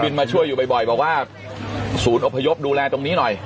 มาช่วยอยู่บ่อยบอกว่าศูนย์อพยพดูแลตรงนี้หน่อย